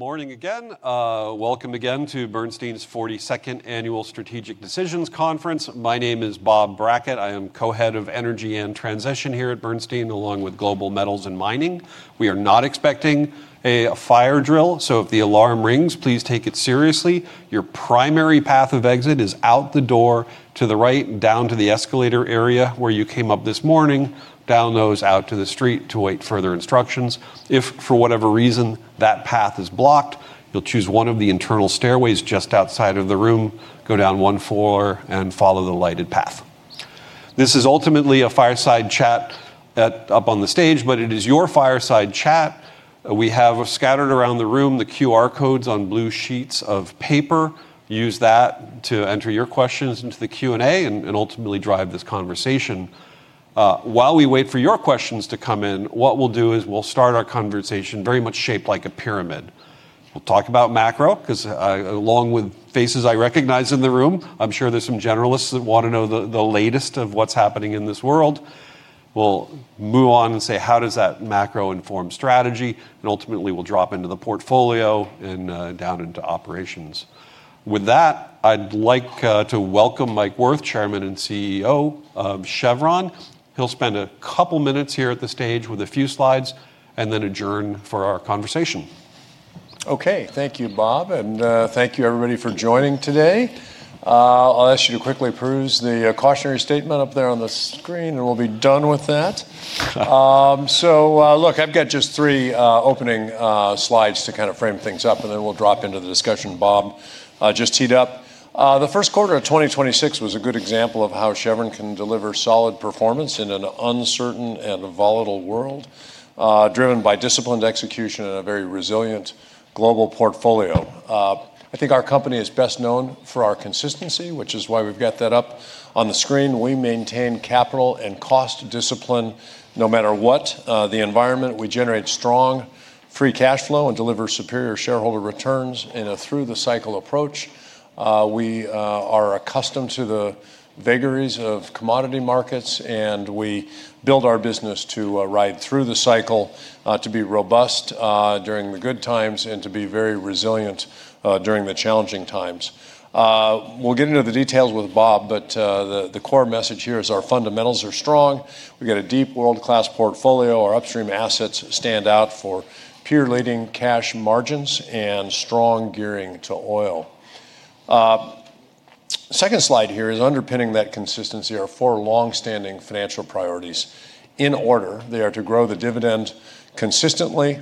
Good morning again. Welcome again to Bernstein's 42nd Annual Strategic Decisions Conference. My name is Bob Brackett. I am co-head of Energy and Transition here at Bernstein, along with Global Metals and Mining. We are not expecting a fire drill, so if the alarm rings, please take it seriously. Your primary path of exit is out the door to the right, and down to the escalator area where you came up this morning, down those out to the street to await further instructions. If, for whatever reason, that path is blocked, you'll choose one of the internal stairways just outside of the room, go down one floor, and follow the lighted path. This is ultimately a fireside chat up on the stage, but it is your fireside chat. We have, scattered around the room, the QR codes on blue sheets of paper. Use that to enter your questions into the Q and A and ultimately drive this conversation. While we wait for your questions to come in, what we'll do is we'll start our conversation very much shaped like a pyramid. We'll talk about macro, because along with faces I recognize in the room, I'm sure there's some generalists that want to know the latest of what's happening in this world. We'll move on and say, how does that macro inform strategy? Ultimately, we'll drop into the portfolio and down into operations. With that, I'd like to welcome Mike Wirth, Chairman and CEO of Chevron. He'll spend a couple minutes here at the stage with a few slides, and then adjourn for our conversation. Okay. Thank you, Bob, and thank you everybody for joining today. I'll ask you to quickly peruse the cautionary statement up there on the screen, and we'll be done with that. Look, I've got just three opening slides to frame things up, and then we'll drop into the discussion Bob just teed up. The first quarter of 2026 was a good example of how Chevron can deliver solid performance in an uncertain and volatile world driven by disciplined execution and a very resilient global portfolio. I think our company is best known for our consistency, which is why we've got that up on the screen. We maintain capital and cost discipline no matter what the environment. We generate strong free cash flow and deliver superior shareholder returns in a through the cycle approach. We are accustomed to the vagaries of commodity markets, and we build our business to ride through the cycle, to be robust during the good times, and to be very resilient during the challenging times. We'll get into the details with Bob, but the core message here is our fundamentals are strong. We've got a deep world-class portfolio. Our upstream assets stand out for peer-leading cash margins and strong gearing to oil. Second slide here is underpinning that consistency, our four longstanding financial priorities. In order, they are to grow the dividend consistently,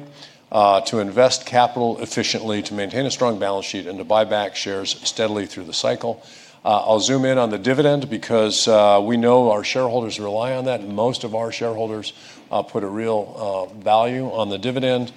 to invest capital efficiently, to maintain a strong balance sheet, and to buy back shares steadily through the cycle. I'll zoom in on the dividend because we know our shareholders rely on that, and most of our shareholders put a real value on the dividend.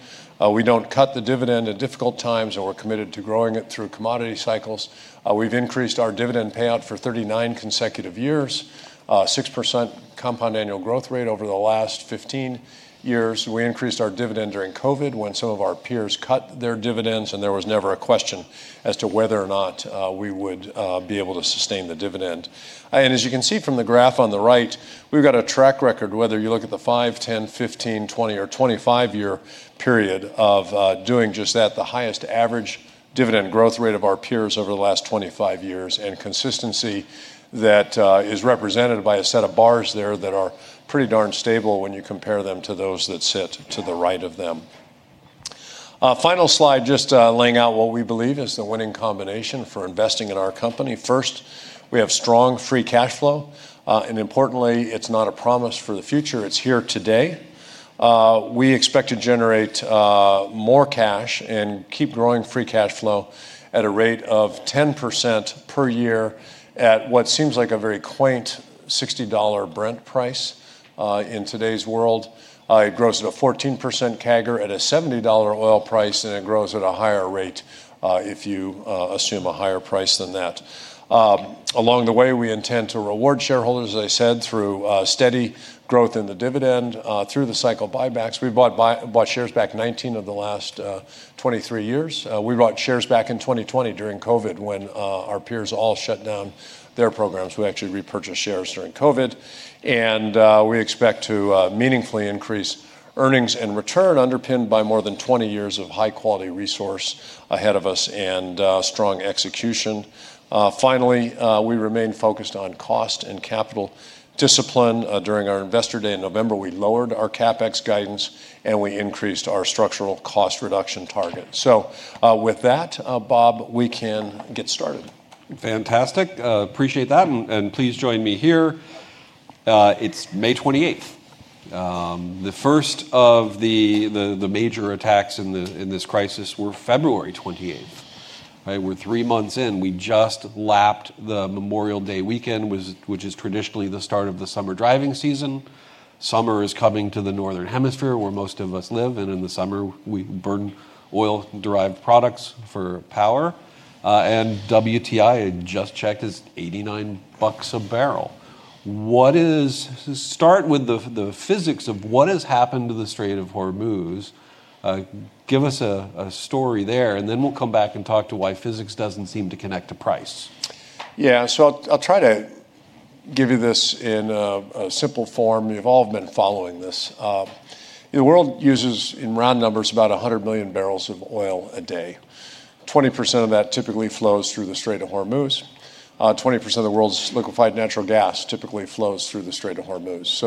We don't cut the dividend at difficult times, and we're committed to growing it through commodity cycles. We've increased our dividend payout for 39 consecutive years. 6% compound annual growth rate over the last 15 years. We increased our dividend during COVID when some of our peers cut their dividends, and there was never a question as to whether or not we would be able to sustain the dividend. As you can see from the graph on the right, we've got a track record, whether you look at the five, 10, 15, 20, or 25-year period of doing just that. The highest average dividend growth rate of our peers over the last 25 years, and consistency that is represented by a set of bars there that are pretty darn stable when you compare them to those that sit to the right of them. Final slide, just laying out what we believe is the winning combination for investing in our company. First, we have strong free cash flow. Importantly, it's not a promise for the future, it's here today. We expect to generate more cash and keep growing free cash flow at a rate of 10% per year at what seems like a very quaint $60 Brent price in today's world. It grows at a 14% CAGR at a $70 oil price, and it grows at a higher rate if you assume a higher price than that. Along the way, we intend to reward shareholders, as I said, through steady growth in the dividend, through the cycle buybacks. We bought shares back 19 of the last 23 years. We bought shares back in 2020 during COVID when our peers all shut down their programs. We actually repurchased shares during COVID. We expect to meaningfully increase earnings and return, underpinned by more than 20 years of high-quality resource ahead of us and strong execution. Finally, we remain focused on cost and capital discipline. During our Investor Day in November, we lowered our CapEx guidance and we increased our structural cost reduction target. With that, Bob, we can get started. Fantastic. Appreciate that. Please join me here. It's May 28th. The first of the major attacks in this crisis were February 28th. We're three months in. We just lapped the Memorial Day weekend, which is traditionally the start of the summer driving season. Summer is coming to the northern hemisphere, where most of us live. In the summer, we burn oil-derived products for power. WTI, I just checked, is $89 a barrel. Start with the physics of what has happened to the Strait of Hormuz. Give us a story there, and then we'll come back and talk to why physics doesn't seem to connect to price. Yeah. I'll try to give you this in a simple form. You've all been following this. The world uses, in round numbers, about 100 million barrels of oil a day. 20% of that typically flows through the Strait of Hormuz. 20% of the world's liquefied natural gas typically flows through the Strait of Hormuz.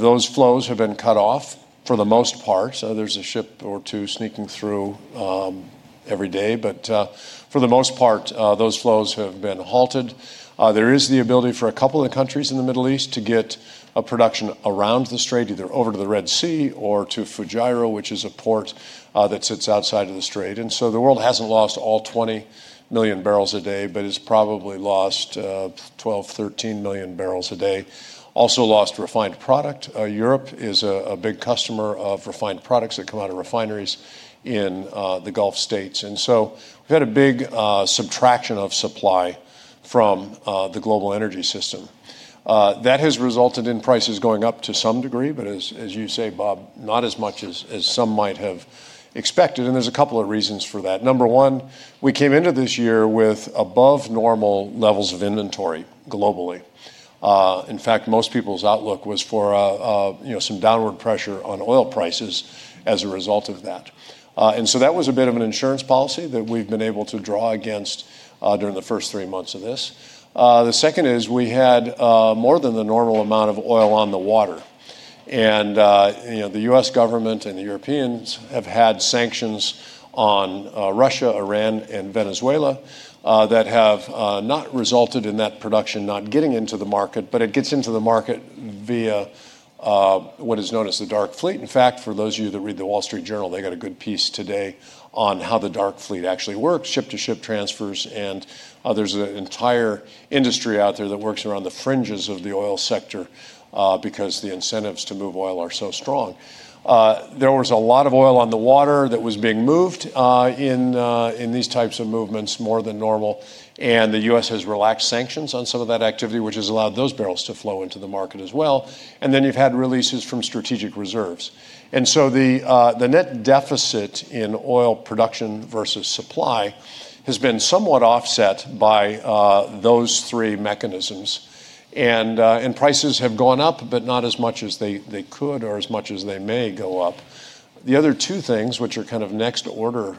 Those flows have been cut off, for the most part. There's a ship or two sneaking through every day, for the most part, those flows have been halted. There is the ability for a couple of the countries in the Middle East to get production around the strait, either over to the Red Sea or to Fujairah, which is a port that sits outside of the strait. The world hasn't lost all 20 million barrels a day, it's probably lost 12 million-13 million barrels a day. Also lost refined product. Europe is a big customer of refined products that come out of refineries in the Gulf States. We've had a big subtraction of supply from the global energy system. That has resulted in prices going up to some degree, as you say, Bob, not as much as some might have expected, and there's a couple of reasons for that. Number one, we came into this year with above normal levels of inventory globally. In fact, most people's outlook was for some downward pressure on oil prices as a result of that. That was a bit of an insurance policy that we've been able to draw against during the first three months of this. The second is we had more than the normal amount of oil on the water. The U.S. government and the Europeans have had sanctions on Russia, Iran, and Venezuela that have not resulted in that production not getting into the market, but it gets into the market via what is known as the Dark Fleet. In fact, for those of you that read The Wall Street Journal, they've got a good piece today on how the Dark Fleet actually works, ship-to-ship transfers, and there's an entire industry out there that works around the fringes of the oil sector because the incentives to move oil are so strong. There was a lot of oil on the water that was being moved in these types of movements, more than normal, and the U.S. has relaxed sanctions on some of that activity, which has allowed those barrels to flow into the market as well. You've had releases from strategic reserves. The net deficit in oil production versus supply has been somewhat offset by those three mechanisms. Prices have gone up, but not as much as they could or as much as they may go up. The other two things, which are kind of next order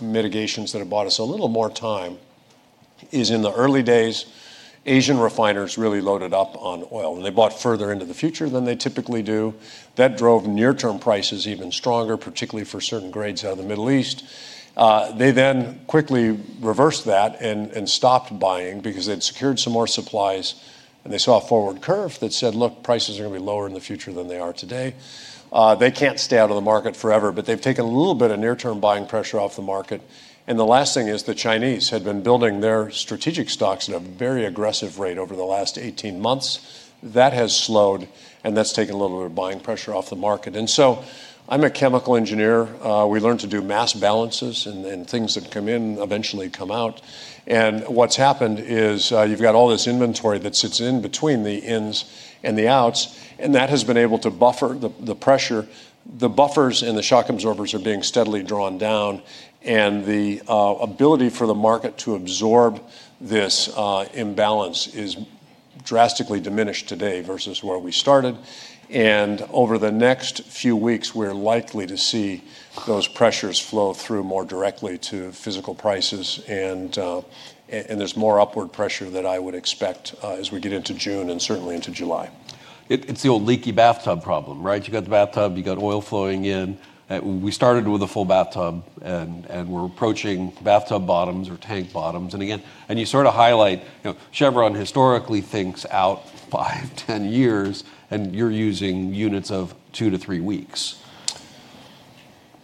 mitigations that have bought us a little more time, is in the early days, Asian refiners really loaded up on oil, and they bought further into the future than they typically do. That drove near-term prices even stronger, particularly for certain grades out of the Middle East. They then quickly reversed that and stopped buying because they'd secured some more supplies, and they saw a forward curve that said, "Look, prices are going to be lower in the future than they are today." They can't stay out of the market forever, but they've taken a little bit of near-term buying pressure off the market. The last thing is the Chinese had been building their strategic stocks at a very aggressive rate over the last 18 months. That has slowed, and that's taken a little bit of buying pressure off the market. I'm a chemical engineer. We learn to do mass balances and things that come in eventually come out. What's happened is you've got all this inventory that sits in between the ins and the outs, and that has been able to buffer the pressure. The buffers and the shock absorbers are being steadily drawn down, and the ability for the market to absorb this imbalance is drastically diminished today versus where we started. Over the next few weeks, we're likely to see those pressures flow through more directly to physical prices, and there's more upward pressure than I would expect as we get into June and certainly into July. It's the old leaky bathtub problem, right? You got the bathtub, you got oil flowing in. We started with a full bathtub, and we're approaching bathtub bottoms or tank bottoms. Again, and you sort of highlight, Chevron historically thinks out five, 10 years, and you're using units of two to three weeks.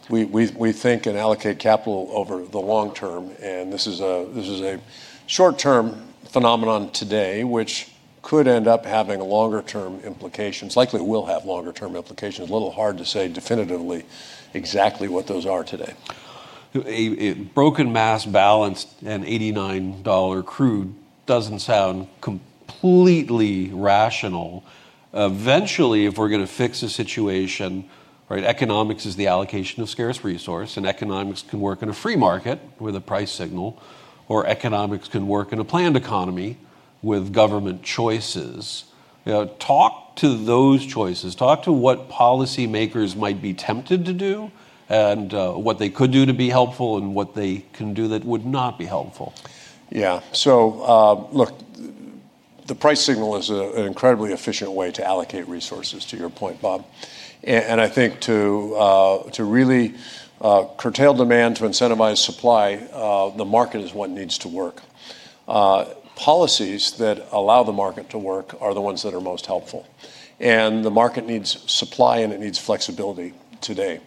We think and allocate capital over the long term, and this is a short-term phenomenon today, which could end up having longer term implications. Likely will have longer term implications. A little hard to say definitively exactly what those are today. A broken mass balance and $89 crude doesn't sound completely rational. Eventually, if we're going to fix the situation, economics is the allocation of scarce resource, and economics can work in a free market with a price signal, or economics can work in a planned economy with government choices. Talk to those choices. Talk to what policy makers might be tempted to do and what they could do to be helpful and what they can do that would not be helpful. Yeah. Look, the price signal is an incredibly efficient way to allocate resources, to your point, Bob. I think to really curtail demand, to incentivize supply, the market is what needs to work. Policies that allow the market to work are the ones that are most helpful. The market needs supply, and it needs flexibility today.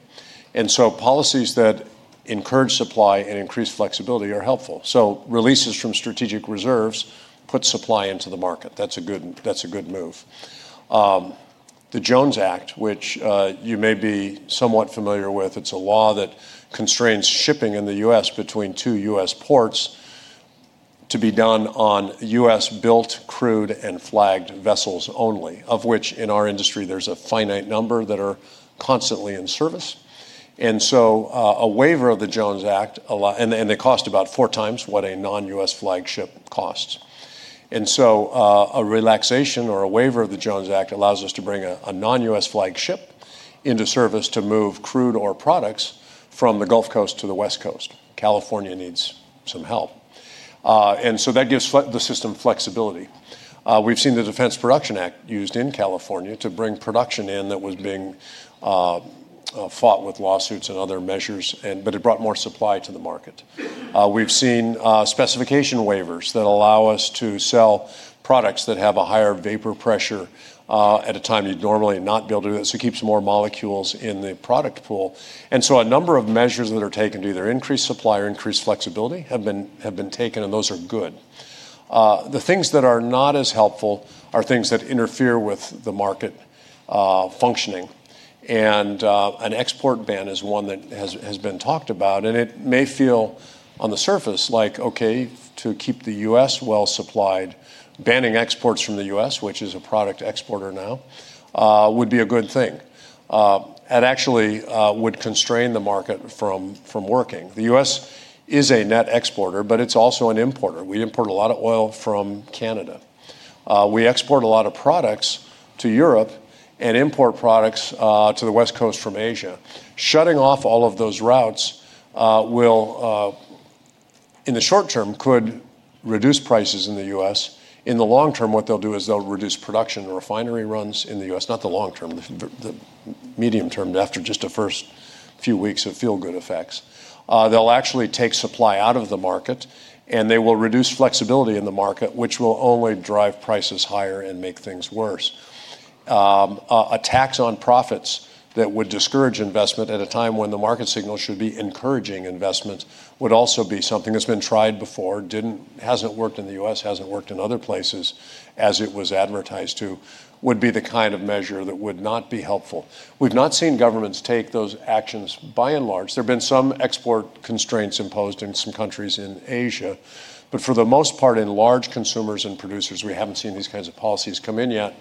Policies that encourage supply and increase flexibility are helpful. Releases from strategic reserves put supply into the market. That's a good move. The Jones Act, which you may be somewhat familiar with, it's a law that constrains shipping in the U.S. between two U.S. ports to be done on U.S.-built crude and flagged vessels only, of which in our industry, there's a finite number that are constantly in service. Away from Jones Act. They cost about four times what a non-U.S. flagship costs. A relaxation or a waiver of the Jones Act allows us to bring a non-U.S. flagship into service to move crude or products from the Gulf Coast to the West Coast. California needs some help. That gives the system flexibility. We've seen the Defense Production Act used in California to bring production in that was being fought with lawsuits and other measures, but it brought more supply to the market. We've seen specification waivers that allow us to sell products that have a higher vapor pressure at a time you'd normally not be able to do it, so it keeps more molecules in the product pool. A number of measures that are taken to either increase supply or increase flexibility have been taken, and those are good. The things that are not as helpful are things that interfere with the market functioning. An export ban is one that has been talked about. It may feel on the surface like, okay, to keep the U.S. well-supplied, banning exports from the U.S., which is a product exporter now, would be a good thing. That actually would constrain the market from working. The U.S. is a net exporter, but it's also an importer. We import a lot of oil from Canada. We export a lot of products to Europe and import products to the West Coast from Asia. Shutting off all of those routes, in the short term, could reduce prices in the U.S. In the long term, what they'll do is they'll reduce production and refinery runs in the U.S. Not the long term, the medium term, after just the first few weeks of feel-good effects. They'll actually take supply out of the market, and they will reduce flexibility in the market, which will only drive prices higher and make things worse. A tax on profits that would discourage investment at a time when the market signal should be encouraging investments would also be something that's been tried before, hasn't worked in the U.S., hasn't worked in other places as it was advertised to, would be the kind of measure that would not be helpful. We've not seen governments take those actions, by and large. There've been some export constraints imposed in some countries in Asia, but for the most part, in large consumers and producers, we haven't seen these kinds of policies come in yet.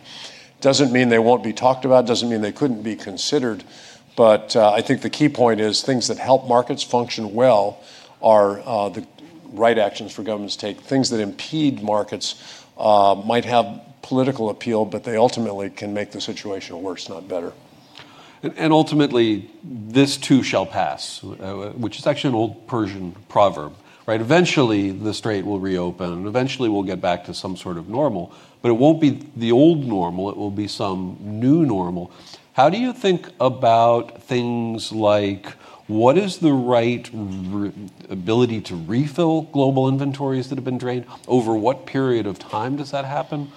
Doesn't mean they won't be talked about, doesn't mean they couldn't be considered, but I think the key point is things that help markets function well are the right actions for governments to take. Things that impede markets might have political appeal, but they ultimately can make the situation worse, not better. Ultimately, this too shall pass, which is actually an old Persian proverb. Eventually the strait will reopen, and eventually we'll get back to some sort of normal, but it won't be the old normal. It will be some new normal. How do you think about things like what is the right ability to refill global inventories that have been drained? Over what period of time does that happen?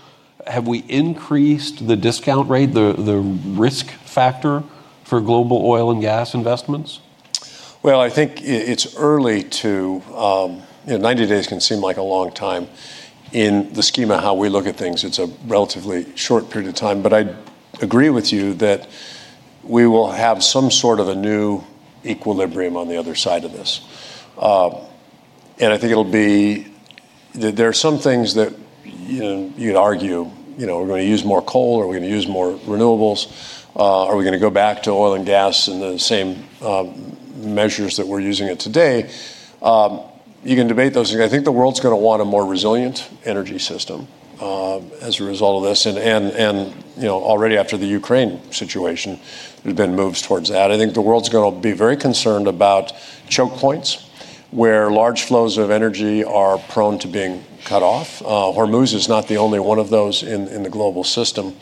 Have we increased the discount rate, the risk factor for global oil and gas investments? Well, I think it's early to 90 days can seem like a long time. In the scheme of how we look at things, it's a relatively short period of time. I agree with you that we will have some sort of a new equilibrium on the other side of this. I think there are some things that you'd argue, are we going to use more coal? Are we going to use more renewables? Are we going to go back to oil and gas in the same measures that we're using it today? You can debate those. I think the world's going to want a more resilient energy system as a result of this, and already after the Ukraine situation, there's been moves towards that. I think the world's going to be very concerned about choke points where large flows of energy are prone to being cut off. Hormuz is not the only one of those in the global system.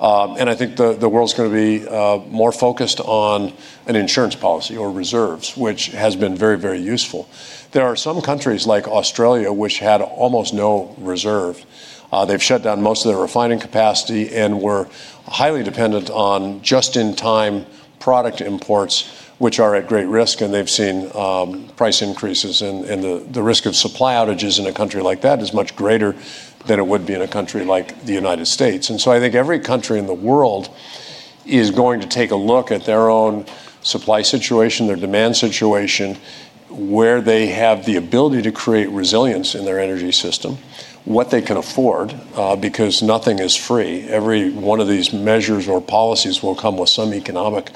I think the world's going to be more focused on an insurance policy or reserves, which has been very useful. There are some countries like Australia which had almost no reserve. They've shut down most of their refining capacity and were highly dependent on just-in-time product imports, which are at great risk, and they've seen price increases. The risk of supply outages in a country like that is much greater than it would be in a country like the U.S. I think every country in the world is going to take a look at their own supply situation, their demand situation, where they have the ability to create resilience in their energy system, what they can afford, because nothing is free. Every one of these measures or policies will come with some economic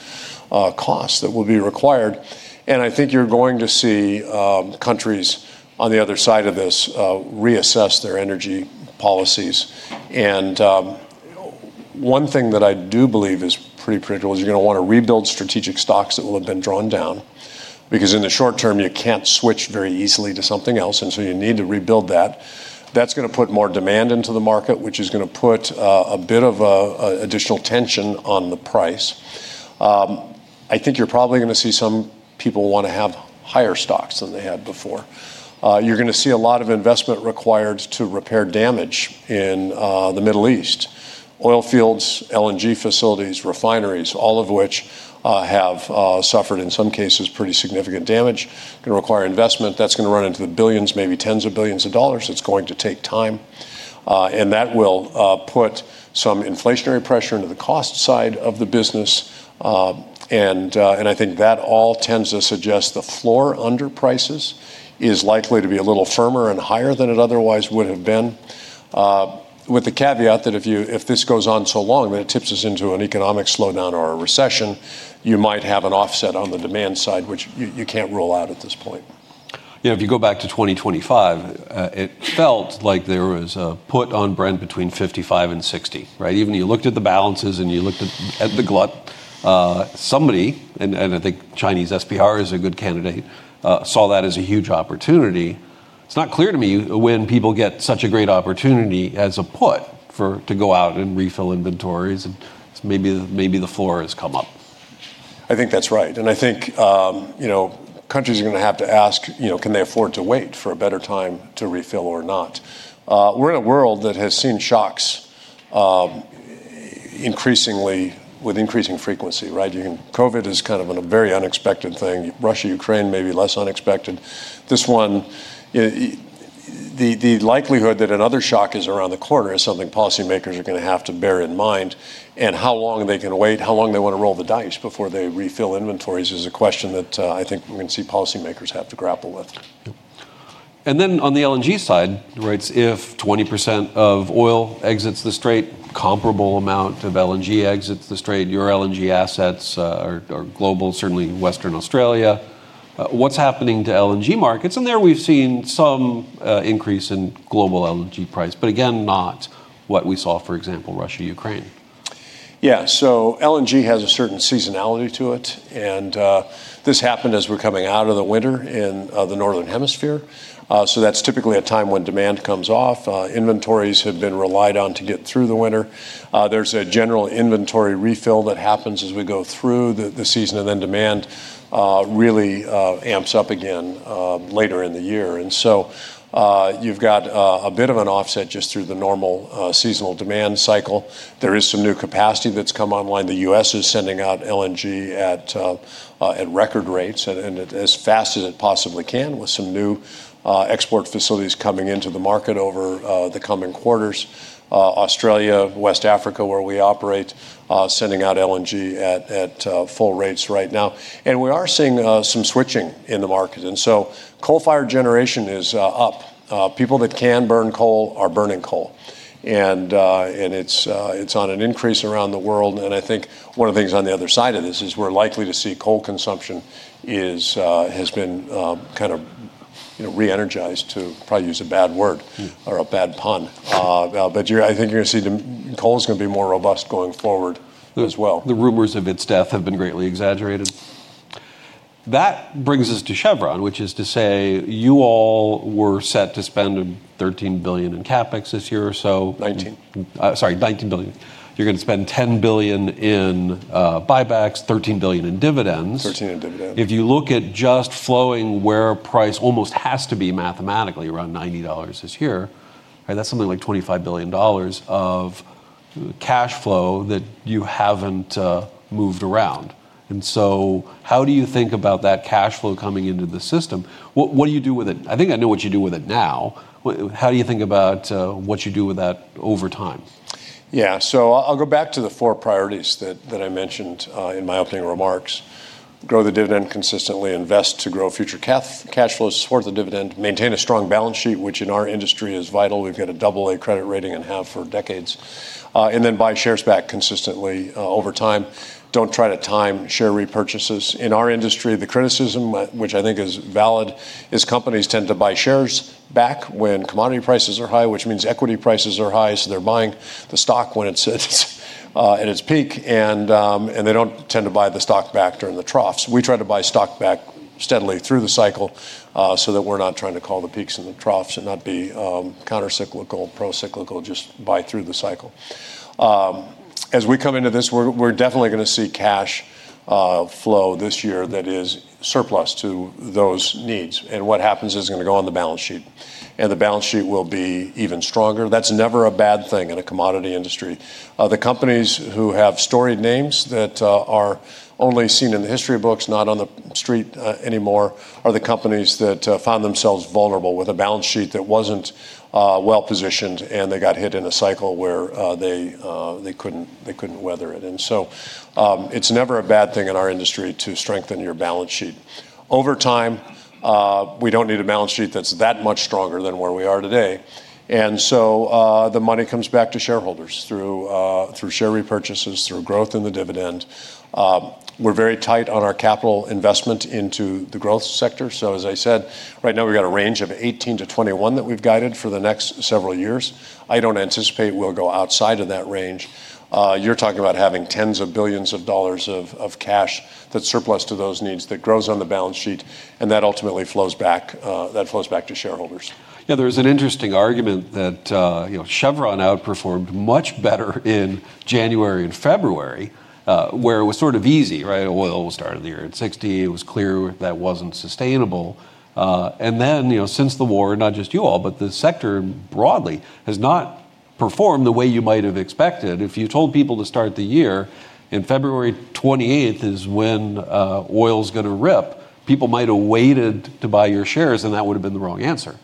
cost that will be required. I think you're going to see countries on the other side of this reassess their energy policies. One thing that I do believe is pretty critical is you're going to want to rebuild strategic stocks that will have been drawn down because in the short term, you can't switch very easily to something else, and so you need to rebuild that. That's going to put more demand into the market, which is going to put a bit of additional tension on the price. I think you're probably going to see some people want to have higher stocks than they had before. You're going to see a lot of investment required to repair damage in the Middle East. Oil fields, LNG facilities, refineries, all of which have suffered, in some cases, pretty significant damage. Going to require investment. That's going to run into the billions, maybe tens of billions of dollars. It's going to take time. That will put some inflationary pressure into the cost side of the business. I think that all tends to suggest the floor under prices is likely to be a little firmer and higher than it otherwise would have been. With the caveat that if this goes on so long that it tips us into an economic slowdown or a recession, you might have an offset on the demand side, which you can't rule out at this point. If you go back to 2025, it felt like there was a put on Brent between $55 and $60. Even you looked at the balances and you looked at the glut. Somebody, and I think Chinese SPR is a good candidate, saw that as a huge opportunity. It's not clear to me when people get such a great opportunity as a put to go out and refill inventories, and maybe the floor has come up. I think that's right. I think, countries are going to have to ask, can they afford to wait for a better time to refill or not? We're in a world that has seen shocks increasingly with increasing frequency, right? COVID is kind of a very unexpected thing. Russia-Ukraine, maybe less unexpected. This one, the likelihood that another shock is around the corner is something policymakers are going to have to bear in mind. How long they can wait, how long they want to roll the dice before they refill inventories is a question that I think we're going to see policymakers have to grapple with. On the LNG side, right, if 20% of oil exits the strait, comparable amount of LNG exits the strait. Your LNG assets are global, certainly in Western Australia. What's happening to LNG markets? There we've seen some increase in global LNG price, but again, not what we saw, for example, Russia-Ukraine. LNG has a certain seasonality to it, and this happened as we're coming out of the winter in the northern hemisphere. That's typically a time when demand comes off. Inventories have been relied on to get through the winter. There's a general inventory refill that happens as we go through the season, and then demand really amps up again later in the year. You've got a bit of an offset just through the normal seasonal demand cycle. There is some new capacity that's come online. The U.S. is sending out LNG at record rates and as fast as it possibly can, with some new export facilities coming into the market over the coming quarters. Australia, West Africa, where we operate, sending out LNG at full rates right now. We are seeing some switching in the market. Coal-fired generation is up. People that can burn coal are burning coal and it's on an increase around the world. I think one of the things on the other side of this is we're likely to see coal consumption has been kind of re-energized, to probably use a bad word or a bad pun. I think you're going to see coal is going to be more robust going forward as well. The rumors of its death have been greatly exaggerated. That brings us to Chevron, which is to say you all were set to spend $13 billion in CapEx this year or so. $19. Sorry, $19 billion. You're going to spend $10 billion in buybacks, $13 billion in dividends. $13 in dividends. If you look at just flowing where price almost has to be mathematically around $90 this year, that's something like $25 billion of cash flow that you haven't moved around. How do you think about that cash flow coming into the system? What do you do with it? I think I know what you do with it now. How do you think about what you do with that over time? Yeah. I'll go back to the four priorities that I mentioned in my opening remarks. Grow the dividend consistently, invest to grow future cash flows for the dividend, maintain a strong balance sheet, which in our industry is vital. We've got a double A credit rating and have for decades. Buy shares back consistently over time. Don't try to time share repurchases. In our industry, the criticism, which I think is valid, is companies tend to buy shares back when commodity prices are high, which means equity prices are high. They're buying the stock when it's at its peak, and they don't tend to buy the stock back during the troughs. We try to buy stock back steadily through the cycle so that we're not trying to call the peaks and the troughs and not be countercyclical, procyclical, just buy through the cycle. As we come into this, we're definitely going to see cash flow this year that is surplus to those needs. What happens is it's going to go on the balance sheet, and the balance sheet will be even stronger. That's never a bad thing in a commodity industry. The companies who have storied names that are only seen in the history books, not on the street anymore, are the companies that found themselves vulnerable with a balance sheet that wasn't well-positioned, and they got hit in a cycle where they couldn't weather it. It's never a bad thing in our industry to strengthen your balance sheet. Over time, we don't need a balance sheet that's that much stronger than where we are today. The money comes back to shareholders through share repurchases, through growth in the dividend. We're very tight on our capital investment into the growth sector. As I said, right now we've got a range of 18 to 21 that we've guided for the next several years. I don't anticipate we'll go outside of that range. You're talking about having tens of billions of dollars of cash that's surplus to those needs, that grows on the balance sheet, and that ultimately flows back to shareholders. There's an interesting argument that Chevron outperformed much better in January and February, where it was sort of easy, right? Oil started the year at $60. It was clear that wasn't sustainable. Since the war, not just you all, but the sector broadly has not performed the way you might have expected. If you told people to start the year and February 28th is when oil's going to rip, people might have waited to buy your shares, and that would have been the wrong answer.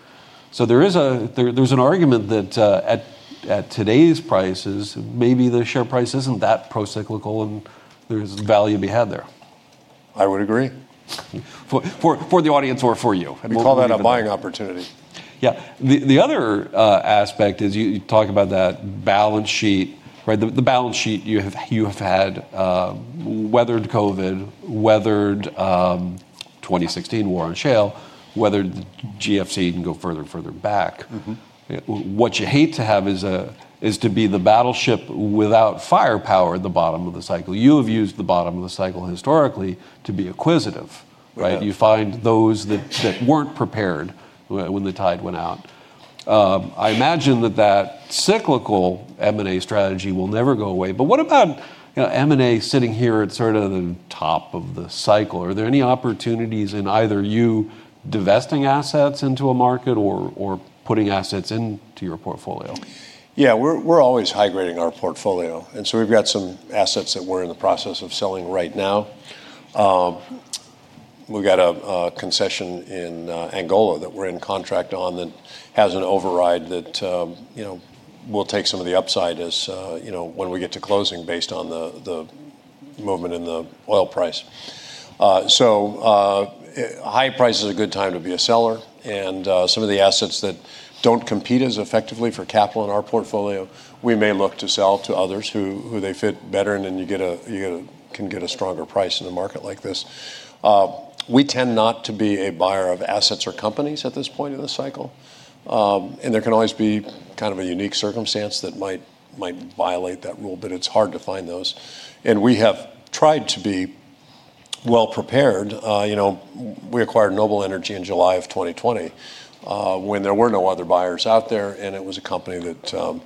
There's an argument that at today's prices, maybe the share price isn't that procyclical and there's value to be had there. I would agree. For the audience or for you? I call that a buying opportunity. Yeah. The other aspect is you talk about that balance sheet. The balance sheet you have had weathered COVID, weathered 2016 war on shale, weathered GFC, you can go further and further back. What you hate to have is to be the battleship without firepower at the bottom of the cycle. You have used the bottom of the cycle historically to be acquisitive, right? Yeah. You find those that weren't prepared when the tide went out. I imagine that cyclical M&A strategy will never go away. What about M&A sitting here at sort of the top of the cycle? Are there any opportunities in either you divesting assets into a market or putting assets into your portfolio? We're always high grading our portfolio. We've got some assets that we're in the process of selling right now. We've got a concession in Angola that we're in contract on that has an override that we'll take some of the upside as when we get to closing based on the movement in the oil price. A high price is a good time to be a seller. Some of the assets that don't compete as effectively for capital in our portfolio, we may look to sell to others who they fit better. You can get a stronger price in a market like this. We tend not to be a buyer of assets or companies at this point in the cycle. There can always be kind of a unique circumstance that might violate that rule, but it's hard to find those. We have tried to be well-prepared. We acquired Noble Energy in July of 2020, when there were no other buyers out there, and it was a company that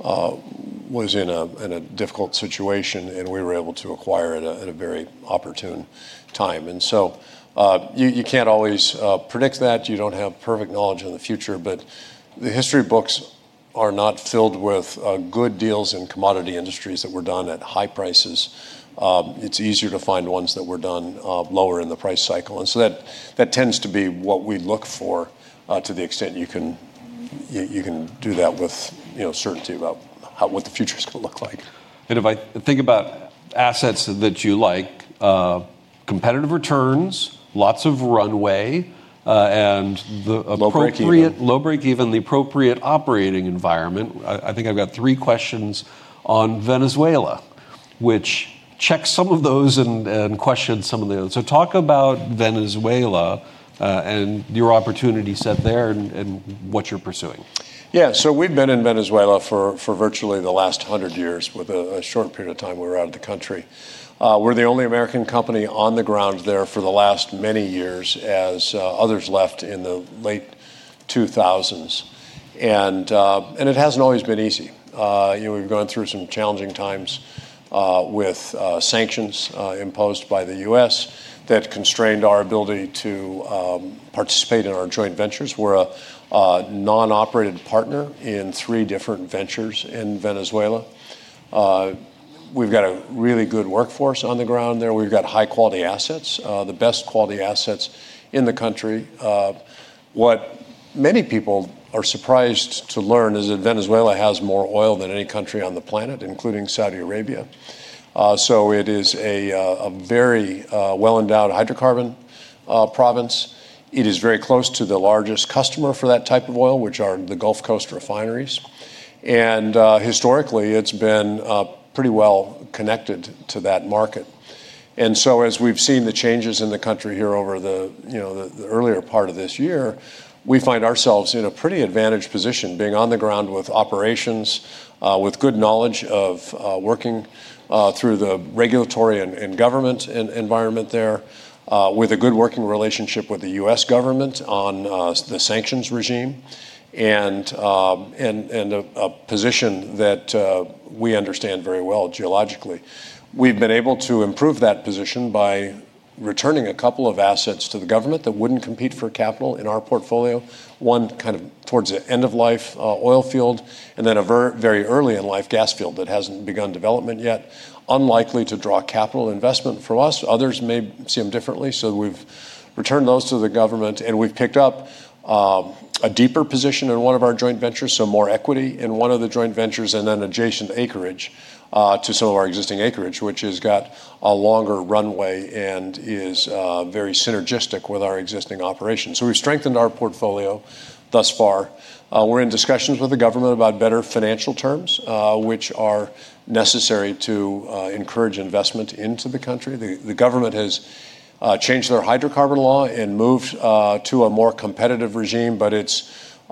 was in a difficult situation, and we were able to acquire it at a very opportune time. You can't always predict that. You don't have perfect knowledge of the future. The history books are not filled with good deals in commodity industries that were done at high prices. It's easier to find ones that were done lower in the price cycle. That tends to be what we look for, to the extent you can do that with certainty about what the future's going to look like. If I think about assets that you like, competitive returns, lots of runway. Low break-even. low break even, the appropriate operating environment. I think I've got three questions on Venezuela, which checks some of those and questions some of the others. Talk about Venezuela, and your opportunity set there and what you're pursuing. Yeah. We've been in Venezuela for virtually the last 100 years, with a short period of time we were out of the country. We're the only American company on the ground there for the last many years, as others left in the late 2000s. It hasn't always been easy. We've gone through some challenging times with sanctions imposed by the U.S. that constrained our ability to participate in our joint ventures. We're a non-operated partner in three different ventures in Venezuela. We've got a really good workforce on the ground there. We've got high-quality assets, the best quality assets in the country. What many people are surprised to learn is that Venezuela has more oil than any country on the planet, including Saudi Arabia. It is a very well-endowed hydrocarbon province. It is very close to the largest customer for that type of oil, which are the Gulf Coast refineries. Historically, it's been pretty well connected to that market. As we've seen the changes in the country here over the earlier part of this year, we find ourselves in a pretty advantaged position, being on the ground with operations, with good knowledge of working through the regulatory and government environment there, with a good working relationship with the U.S. government on the sanctions regime, and a position that we understand very well geologically. We've been able to improve that position by returning a couple of assets to the government that wouldn't compete for capital in our portfolio. One kind of towards the end of life oil field, and then a very early in life gas field that hasn't begun development yet. Unlikely to draw capital investment from us. Others may see them differently. We've returned those to the government, and we've picked up a deeper position in one of our joint ventures, so more equity in one of the joint ventures, and then adjacent acreage to some of our existing acreage, which has got a longer runway and is very synergistic with our existing operations. We've strengthened our portfolio thus far. We're in discussions with the government about better financial terms, which are necessary to encourage investment into the country. The government has changed their hydrocarbon law and moved to a more competitive regime, but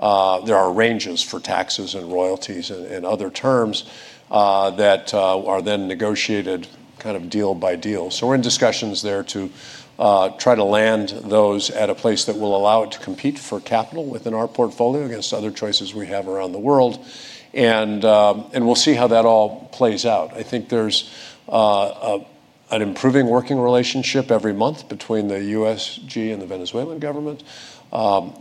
there are ranges for taxes and royalties and other terms that are then negotiated kind of deal by deal. We're in discussions there to try to land those at a place that will allow it to compete for capital within our portfolio against other choices we have around the world. We'll see how that all plays out. I think there's an improving working relationship every month between the USG and the Venezuelan government.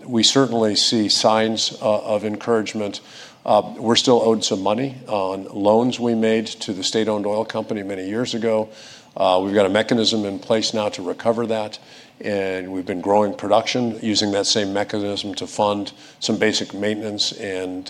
We certainly see signs of encouragement. We're still owed some money on loans we made to the state-owned oil company many years ago. We've got a mechanism in place now to recover that, and we've been growing production using that same mechanism to fund some basic maintenance, and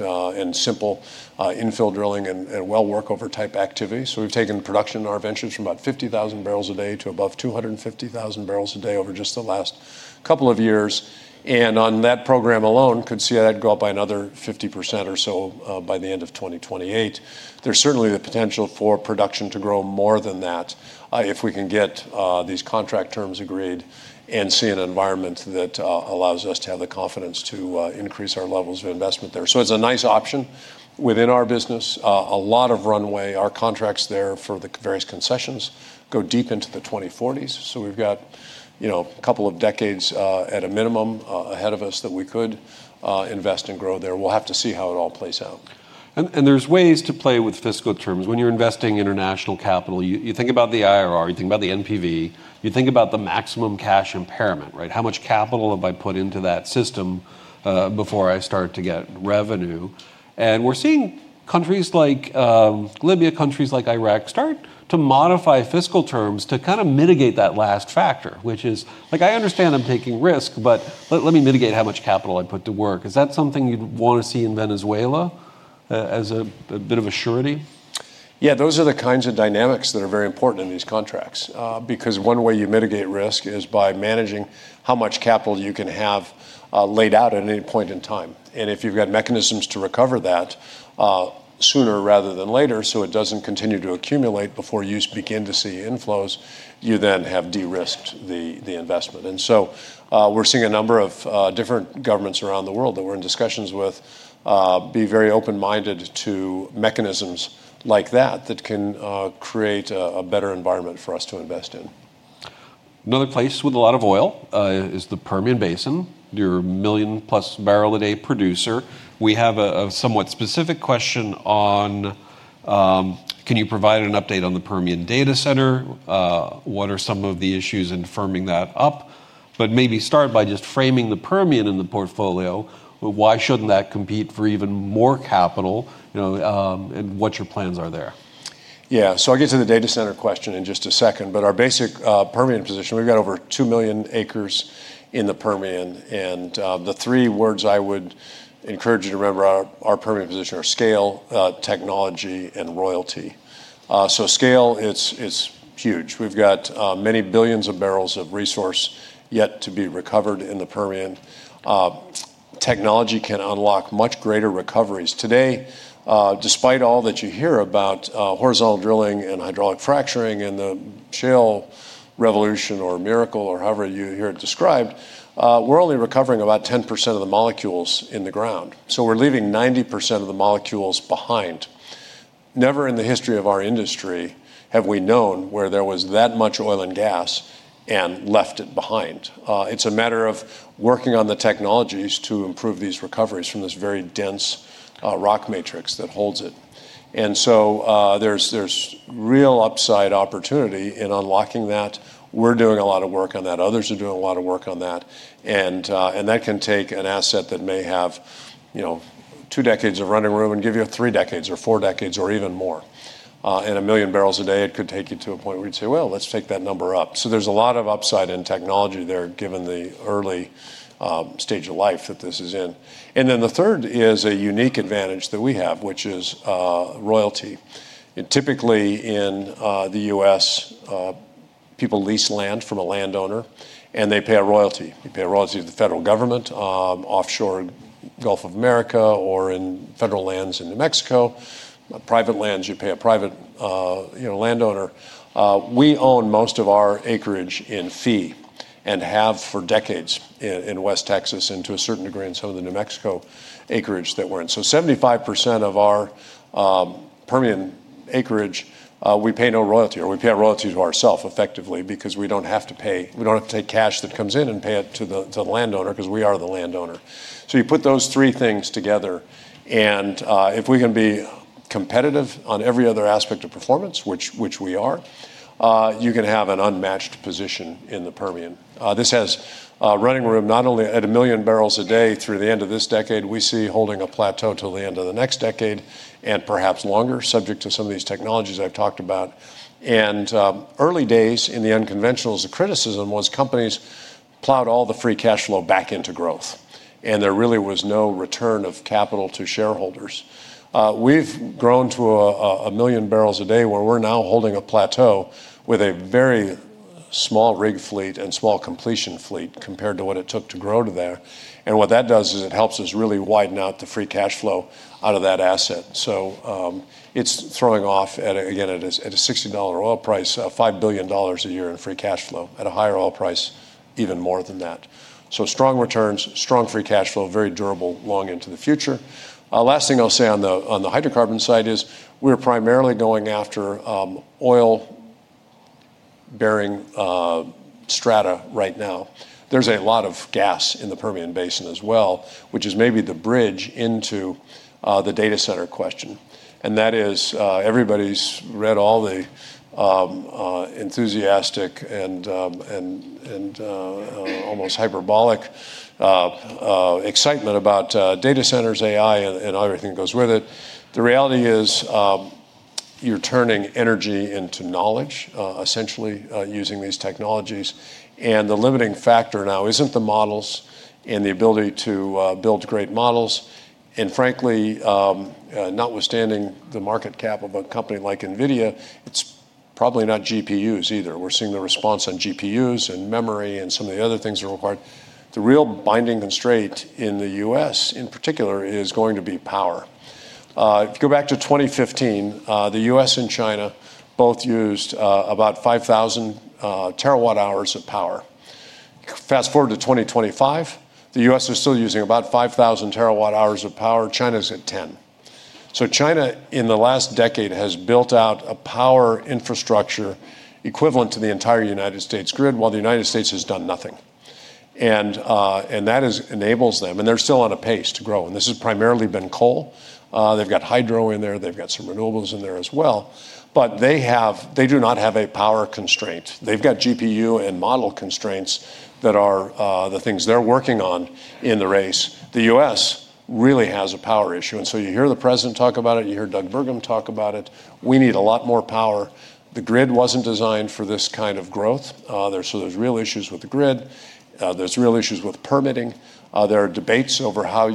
simple infill drilling, and well workover type activity. We've taken production in our ventures from about 50,000 barrels a day to above 250,000 barrels a day over just the last couple of years. On that program alone, could see that grow by another 50% or so by the end of 2028. There's certainly the potential for production to grow more than that if we can get these contract terms agreed and see an environment that allows us to have the confidence to increase our levels of investment there. It's a nice option within our business. A lot of runway. Our contracts there for the various concessions go deep into the 2040s, so we've got a couple of decades at a minimum ahead of us that we could invest and grow there. We'll have to see how it all plays out. There's ways to play with fiscal terms. When you're investing international capital, you think about the IRR, you think about the NPV, you think about the maximum cash impairment, right? How much capital have I put into that system before I start to get revenue? We're seeing countries like Libya, countries like Iraq, start to modify fiscal terms to kind of mitigate that last factor, which is like, I understand I'm taking risk, but let me mitigate how much capital I put to work. Is that something you'd want to see in Venezuela as a bit of a surety? Those are the kinds of dynamics that are very important in these contracts. One way you mitigate risk is by managing how much capital you can have laid out at any point in time. If you've got mechanisms to recover that sooner rather than later, so it doesn't continue to accumulate before you begin to see inflows, you then have de-risked the investment. We're seeing a number of different governments around the world that we're in discussions with be very open-minded to mechanisms like that can create a better environment for us to invest in. Another place with a lot of oil is the Permian Basin. You're a million-plus barrel a day producer. We have a somewhat specific question on, can you provide an update on the Permian data center? What are some of the issues in firming that up? Maybe start by just framing the Permian in the portfolio. Why shouldn't that compete for even more capital, and what your plans are there? I'll get to the data center question in just a second, but our basic Permian position, we've got over 2 million acres in the Permian. The three words I would encourage you to remember our Permian position are scale, technology, and royalty. Scale, it's huge. We've got many billions of barrels of resource yet to be recovered in the Permian. Technology can unlock much greater recoveries. Today, despite all that you hear about horizontal drilling and hydraulic fracturing and the shale revolution or miracle or however you hear it described, we're only recovering about 10% of the molecules in the ground. We're leaving 90% of the molecules behind. Never in the history of our industry have we known where there was that much oil and gas and left it behind. It's a matter of working on the technologies to improve these recoveries from this very dense rock matrix that holds it. There's real upside opportunity in unlocking that. We're doing a lot of work on that. Others are doing a lot of work on that. That can take an asset that may have two decades of running room and give you three decades or four decades or even more. A million barrels a day, it could take you to a point where you'd say, "Well, let's take that number up." There's a lot of upside in technology there, given the early stage of life that this is in. The third is a unique advantage that we have, which is royalty. Typically in the U.S., people lease land from a landowner, and they pay a royalty. You pay a royalty to the federal government offshore in Gulf of Mexico or in federal lands in New Mexico. Private lands, you pay a private landowner. We own most of our acreage in fee and have for decades in West Texas and to a certain degree in some of the New Mexico acreage that we're in. 75% of our Permian acreage, we pay no royalty, or we pay our royalty to ourselves effectively because we don't have to take cash that comes in and pay it to the landowner because we are the landowner. You put those three things together, and if we can be competitive on every other aspect of performance, which we are, you can have an unmatched position in the Permian. This has running room not only at a million barrels a day through the end of this decade, we see holding a plateau till the end of the next decade and perhaps longer, subject to some of these technologies I've talked about. Early days in the unconventionals, the criticism was companies plowed all the free cash flow back into growth, and there really was no return of capital to shareholders. We've grown to a million barrels a day where we're now holding a plateau with a very small rig fleet and small completion fleet compared to what it took to grow to there. What that does is it helps us really widen out the free cash flow out of that asset. It's throwing off at, again, at a $60 oil price, $5 billion a year in free cash flow. At a higher oil price, even more than that. Strong returns, strong free cash flow, very durable long into the future. Last thing I'll say on the hydrocarbon side is we're primarily going after oil-bearing strata right now. There's a lot of gas in the Permian Basin as well, which is maybe the bridge into the data center question. That is, everybody's read all the enthusiastic and almost hyperbolic excitement about data centers, AI, and everything that goes with it. The reality is you're turning energy into knowledge, essentially, using these technologies, and the limiting factor now isn't the models and the ability to build great models. Frankly, notwithstanding the market cap of a company like NVIDIA, it's probably not GPUs either. We're seeing the response on GPUs and memory and some of the other things that require. The real binding constraint in the U.S., in particular, is going to be power. If you go back to 2015, the U.S. and China both used about 5,000 terawatt hours of power. Fast-forward to 2025, the U.S. is still using about 5,000 terawatt hours of power. China's at 10,000. China, in the last decade, has built out a power infrastructure equivalent to the entire United States grid while the United States has done nothing. That enables them, and they're still on a pace to grow. This has primarily been coal. They've got hydro in there. They've got some renewables in there as well. They do not have a power constraint. They've got GPU and model constraints that are the things they're working on in the race. The U.S. really has a power issue. You hear the president talk about it. You hear Doug Burgum talk about it. We need a lot more power. The grid wasn't designed for this kind of growth. There's real issues with the grid. There's real issues with permitting. There are debates over how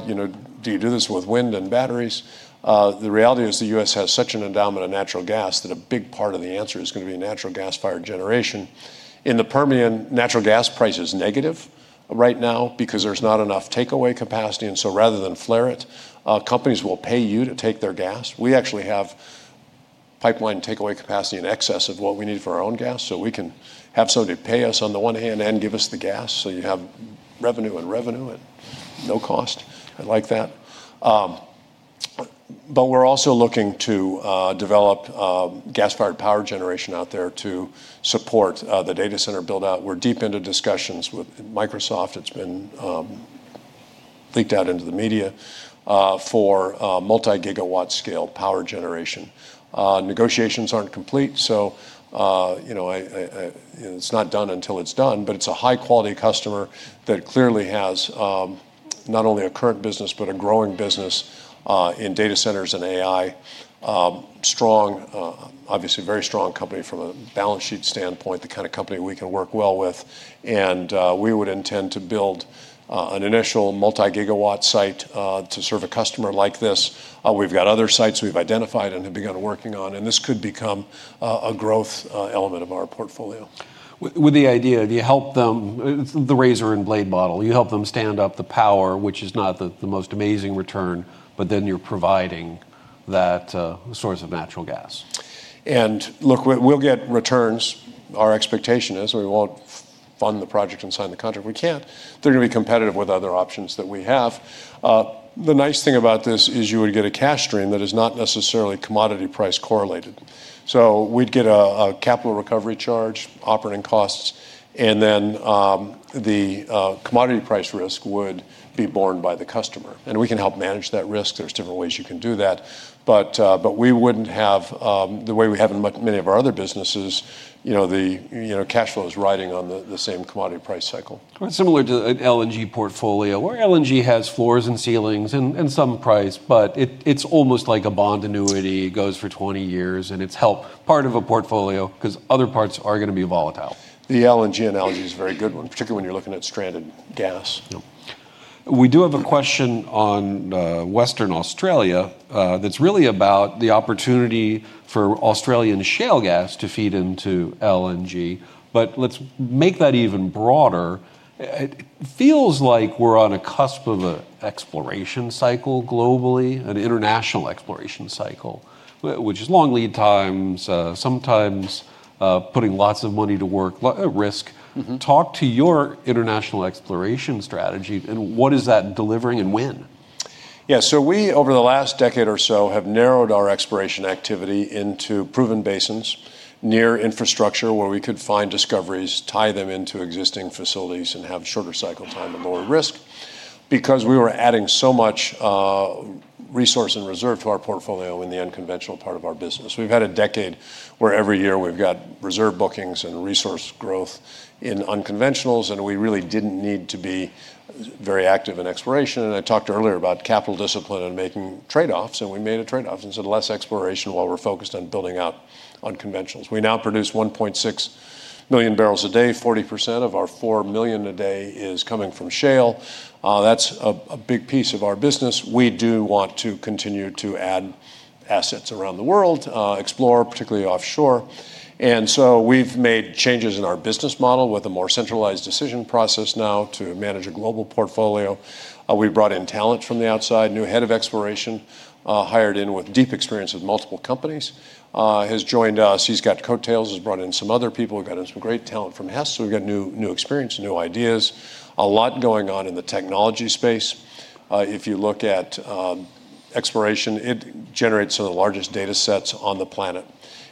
do you do this with wind and batteries? The reality is the U.S. has such an endowment of natural gas that a big part of the answer is going to be natural gas-fired generation. In the Permian, natural gas price is negative right now because there's not enough takeaway capacity, and so rather than flare it, companies will pay you to take their gas. We actually have pipeline takeaway capacity in excess of what we need for our own gas, so we can have somebody pay us on the one hand and give us the gas, so you have revenue and revenue at no cost. I like that. We're also looking to develop gas-fired power generation out there to support the data center build-out. We're deep into discussions with Microsoft. It's been leaked out into the media, for multi-gigawatt scale power generation. Negotiations aren't complete, so it's not done until it's done, but it's a high-quality customer that clearly has, not only a current business but a growing business, in data centers and AI. Obviously a very strong company from a balance sheet standpoint, the kind of company we can work well with. We would intend to build an initial multi-gigawatt site to serve a customer like this. We've got other sites we've identified and have begun working on, and this could become a growth element of our portfolio. With the idea, the razor and blade model. You help them stand up the power, which is not the most amazing return, but then you're providing that source of natural gas. Look, we'll get returns. Our expectation is, or we won't fund the project and sign the contract. We can't. They're going to be competitive with other options that we have. The nice thing about this is you would get a cash stream that is not necessarily commodity price correlated. We'd get a capital recovery charge, operating costs, and then the commodity price risk would be borne by the customer. We can help manage that risk. There's different ways you can do that. We wouldn't have, the way we have in many of our other businesses, the cash flow is riding on the same commodity price cycle. Similar to an LNG portfolio, where LNG has floors and ceilings and some price, but it's almost like a bond annuity. It goes for 20 years, and it's helped part of a portfolio because other parts are going to be volatile. The LNG analogy is a very good one, particularly when you're looking at stranded gas. Yep. We do have a question on Western Australia, that's really about the opportunity for Australian shale gas to feed into LNG. Let's make that even broader. It feels like we're on a cusp of an exploration cycle globally, an international exploration cycle, which is long lead times, sometimes putting lots of money to work, at risk. Talk to your international exploration strategy, and what is that delivering and when? We, over the last decade or so, have narrowed our exploration activity into proven basins near infrastructure where we could find discoveries, tie them into existing facilities, and have shorter cycle time and lower risk. Because we were adding so much resource and reserve to our portfolio in the unconventional part of our business. We've had a decade where every year we've got reserve bookings and resource growth in unconventionals, and we really didn't need to be very active in exploration. I talked earlier about capital discipline and making trade-offs, and we made a trade-off and said less exploration while we're focused on building out unconventionals. We now produce 1.6 million barrels a day. 40% of our 4 million a day is coming from Shale. That's a big piece of our business. We do want to continue to add assets around the world, explore, particularly offshore. We've made changes in our business model with a more centralized decision process now to manage a global portfolio. We brought in talent from the outside. New head of exploration, hired in with deep experience with multiple companies, has joined us. He's got coattails, has brought in some other people. We got in some great talent from Hess, so we've got new experience, new ideas, a lot going on in the technology space. If you look at exploration, it generates some of the largest data sets on the planet.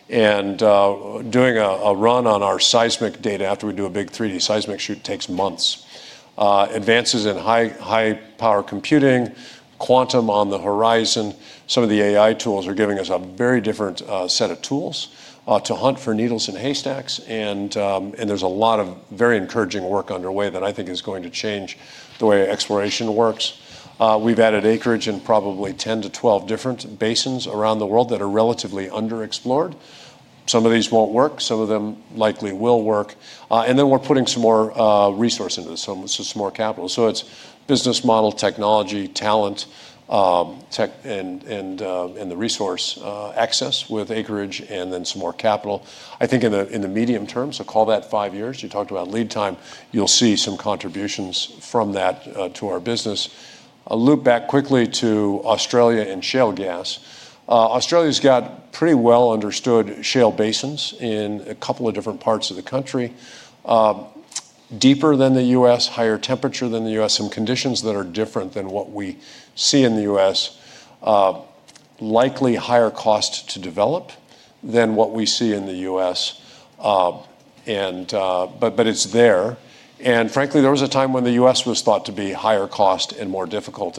Doing a run on our seismic data after we do a big 3D seismic shoot takes months. Advances in high-power computing, quantum on the horizon. Some of the AI tools are giving us a very different set of tools to hunt for needles in haystacks. There's a lot of very encouraging work underway that I think is going to change the way exploration works. We've added acreage in probably 10 to 12 different basins around the world that are relatively underexplored. Some of these won't work, some of them likely will work. Then we're putting some more resource into this, so some more capital. It's business model, technology, talent, tech, and the resource access with acreage, and then some more capital. I think in the medium term, so call that five years, you talked about lead time, you'll see some contributions from that to our business. A loop back quickly to Australia and shale gas. Australia's got pretty well-understood shale basins in a couple of different parts of the country. Deeper than the U.S., higher temperature than the U.S., some conditions that are different than what we see in the U.S. Likely higher cost to develop than what we see in the U.S., but it's there. Frankly, there was a time when the U.S. was thought to be higher cost and more difficult.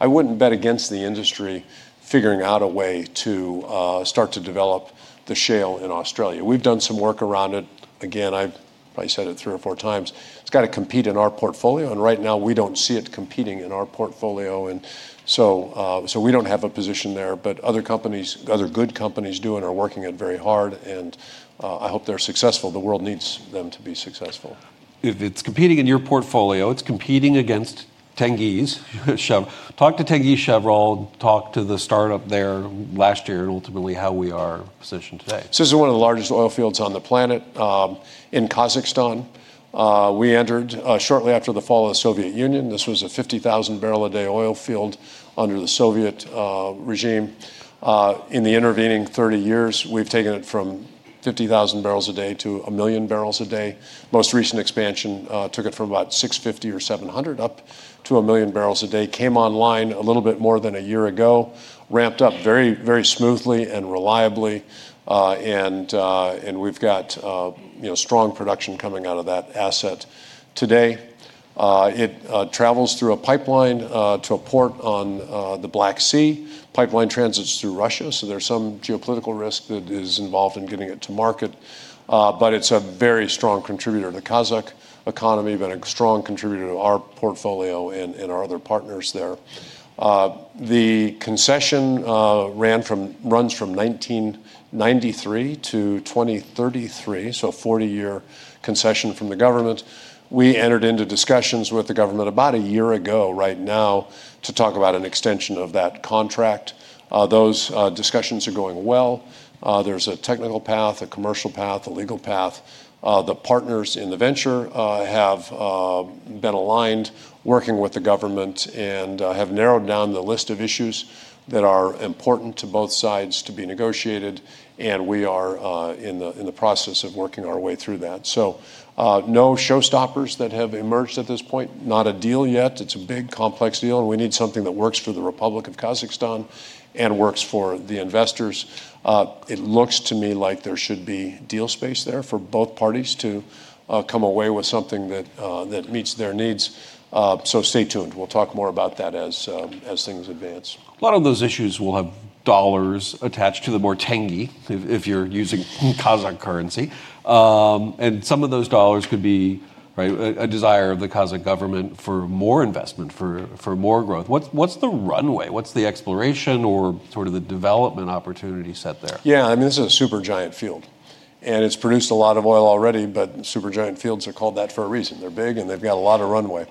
I wouldn't bet against the industry figuring out a way to start to develop the shale in Australia. We've done some work around it. Again, I've probably said it three or four times. It's got to compete in our portfolio, and right now we don't see it competing in our portfolio. We don't have a position there, but other good companies do and are working it very hard and I hope they're successful. The world needs them to be successful. If it's competing in your portfolio, it's competing against Tengiz. Talk to Tengizchevroil. Talk to the startup there last year, and ultimately how we are positioned today. This is one of the largest oil fields on the planet, in Kazakhstan. We entered shortly after the fall of the Soviet Union. This was a 50,000 barrels a day oil field under the Soviet regime. In the intervening 30 years, we've taken it from 50,000 barrels a day to a million barrels a day. Most recent expansion took it from about 650,000 or 700,000 up to a million barrels a day. Came online a little bit more than one year ago. Ramped up very smoothly and reliably. We've got strong production coming out of that asset today. It travels through a pipeline to a port on the Black Sea. Pipeline transits through Russia, there's some geopolitical risk that is involved in getting it to market. It's a very strong contributor to the Kazakh economy, but a strong contributor to our portfolio and our other partners there. The concession runs from 1993 to 2033, a 40-year concession from the government. We entered into discussions with the government about one year ago right now to talk about an extension of that contract. Those discussions are going well. There's a technical path, a commercial path, a legal path. The partners in the venture have been aligned working with the government, have narrowed down the list of issues that are important to both sides to be negotiated. We are in the process of working our way through that. No showstoppers that have emerged at this point. Not a deal yet. It's a big, complex deal, we need something that works for the Republic of Kazakhstan and works for the investors. It looks to me like there should be deal space there for both parties to come away with something that meets their needs. Stay tuned. We'll talk more about that as things advance. A lot of those issues will have dollars attached to them, or KZT, if you're using Kazakh currency. Some of those dollars could be a desire of the Kazakh government for more investment, for more growth. What's the runway? What's the exploration or sort of the development opportunity set there? Yeah, this is a super giant field. It's produced a lot of oil already, but super giant fields are called that for a reason. They're big, and they've got a lot of runway.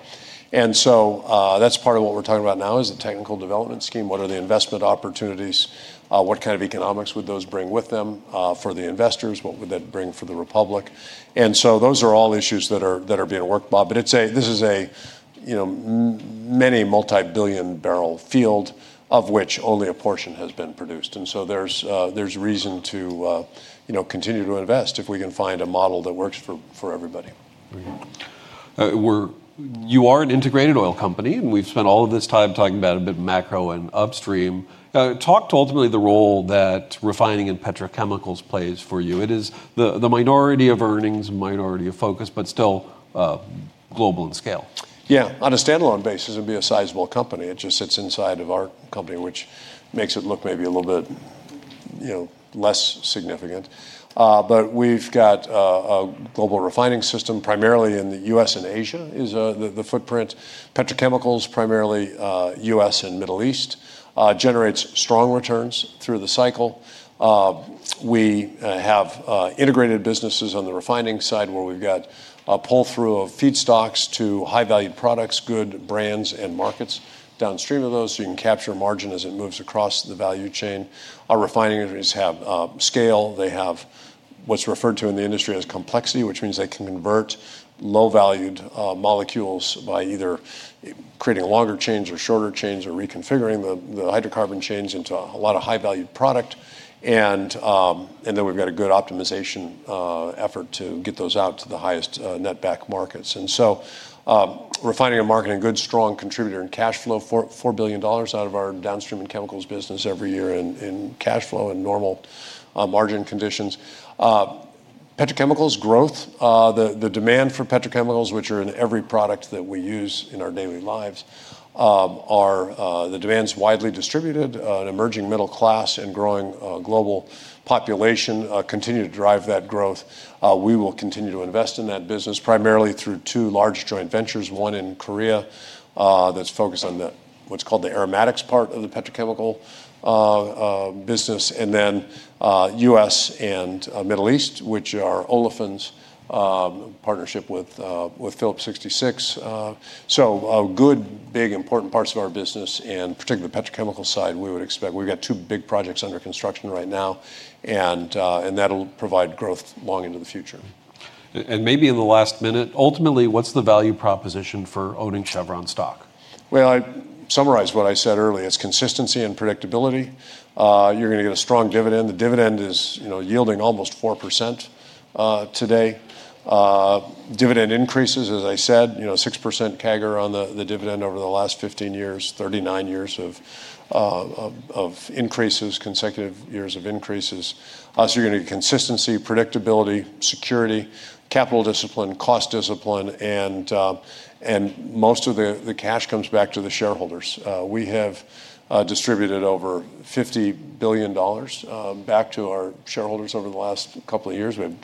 That's part of what we're talking about now is the technical development scheme. What are the investment opportunities? What kind of economics would those bring with them for the investors? What would that bring for the Republic? Those are all issues that are being worked, Bob. This is a many multibillion barrel field of which only a portion has been produced. There's reason to continue to invest if we can find a model that works for everybody. You are an integrated oil company. We've spent all of this time talking about a bit of macro and upstream. Talk to ultimately the role that refining and petrochemicals plays for you. It is the minority of earnings, minority of focus, but still global in scale. Yeah. On a standalone basis, it'd be a sizable company. It just sits inside of our company, which makes it look maybe a little bit less significant. We've got a global refining system, primarily in the U.S. and Asia is the footprint. Petrochemicals, primarily U.S. and Middle East. Generates strong returns through the cycle. We have integrated businesses on the refining side, where we've got a pull-through of feedstocks to high-value products, good brands and markets downstream of those, so you can capture margin as it moves across the value chain. Our refining industries have scale. They have what's referred to in the industry as complexity, which means they can convert low-valued molecules by either creating longer chains or shorter chains, or reconfiguring the hydrocarbon chains into a lot of high-valued product. We've got a good optimization effort to get those out to the highest net back markets. Refining and marketing, a good, strong contributor in cash flow. $4 billion out of our downstream and chemicals business every year in cash flow and normal margin conditions. Petrochemicals growth, the demand for petrochemicals, which are in every product that we use in our daily lives, the demand's widely distributed. An emerging middle class and growing global population continue to drive that growth. We will continue to invest in that business, primarily through two large joint ventures, one in Korea that's focused on what's called the aromatics part of the petrochemical business, and then U.S. and Middle East, which are olefins partnership with Phillips 66. Good, big, important parts of our business and particularly the petrochemical side, we would expect. We've got two big projects under construction right now, and that'll provide growth long into the future. Maybe in the last minute, ultimately, what's the value proposition for owning Chevron stock? I summarized what I said earlier. It's consistency and predictability. You're going to get a strong dividend. The dividend is yielding almost 4% today. Dividend increases, as I said, 6% CAGR on the dividend over the last 15 years, 39 years of consecutive years of increases. You're going to get consistency, predictability, security, capital discipline, cost discipline, and most of the cash comes back to the shareholders. We have distributed over $50 billion back to our shareholders over the last couple of years. We have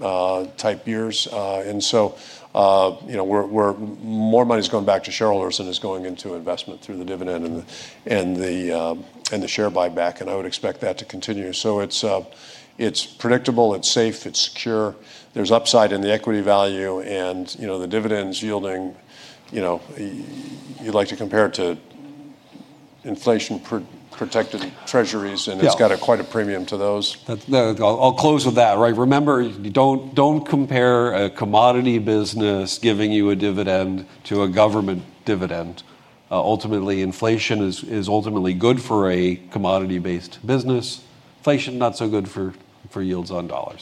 25 billion type years. More money's going back to shareholders than is going into investment through the dividend and the share buyback, and I would expect that to continue. It's predictable, it's safe, it's secure. There's upside in the equity value and the dividend's yielding. You'd like to compare it to inflation-protected treasuries. Yeah It's got quite a premium to those. I'll close with that. Remember, don't compare a commodity business giving you a dividend to a government dividend. Ultimately, inflation is ultimately good for a commodity-based business. Inflation, not so good for yields on dollars.